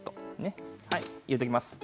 入れておきます。